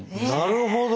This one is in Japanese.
なるほど。